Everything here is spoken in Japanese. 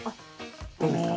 どうですか？